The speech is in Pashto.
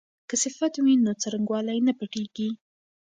که صفت وي نو څرنګوالی نه پټیږي.